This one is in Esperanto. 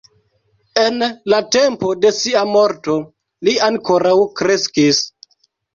En la tempo de sia morto li ankoraŭ kreskis.